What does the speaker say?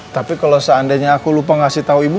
tapi kalau seandainya aku lupa ngasih tahu ibu